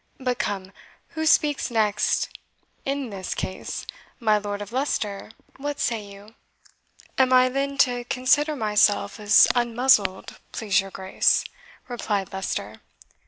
But come, who speaks next in this case? My Lord of Leicester, what say you?" "Am I then to consider myself as unmuzzled, please your Grace?" replied Leicester.